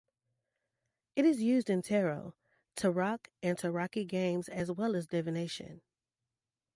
It is used in Tarot, tarock and tarocchi games as well as in divination.